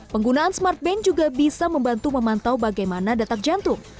penggunaan smartbank juga bisa membantu memantau bagaimana detak jantung